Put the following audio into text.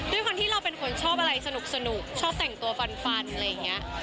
ด้วยความที่เราเป็นคนชอบอะไรสนุกชอบแต่งตัวฟันอะไรอย่างนี้